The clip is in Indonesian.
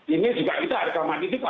ini juga kita harga mati juga